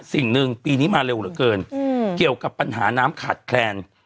สิ่งหนึ่งปีนี้มาเร็วเหลือเกินเกี่ยวกับปัญหาน้ำขาดแคลน